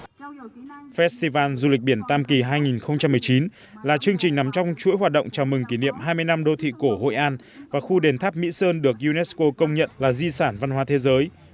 hội festival du lịch biển tam kỳ hai nghìn một mươi chín là chương trình nằm trong chuỗi hoạt động chào mừng kỷ niệm hai mươi năm đô thị cổ hội an và khu đền tháp mỹ sơn được unesco công nhận là di sản văn hóa thế giới